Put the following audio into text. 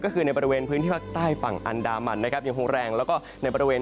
ก็คือในบริเวณพื้นที่ภาคใต้ฝั่งอันดามันนะครับ